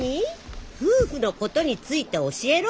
夫婦のことについて教えろ？